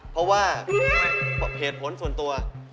เพราะว่าเหตุผลส่วนตัว